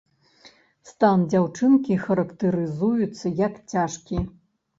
Стан дзяўчынкі характарызуецца як цяжкі.